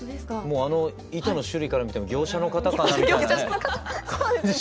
もうあの糸の種類から見ても業者の方かなみたいなね。